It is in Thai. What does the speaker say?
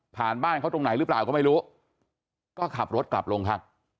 บ้านเขาตรงไหนหรือเปล่าก็ไม่รู้ก็ขับรถกลับลงพัก